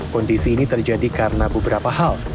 kondisi ini terjadi karena beberapa hal